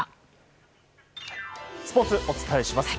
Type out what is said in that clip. スポーツをお伝えします。